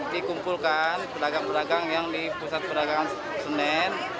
dikumpulkan pedagang pedagang yang di pusat perdagangan senen